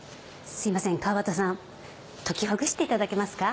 すいません川畑さん溶きほぐしていただけますか？